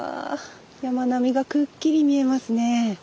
山並みがくっきり見えますね。